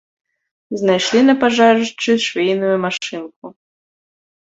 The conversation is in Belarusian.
Знайшлі на пажарышчы швейную машынку.